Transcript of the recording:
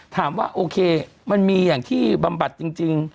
ถามว่าโอเคมันมีอย่างที่บำบัดจริง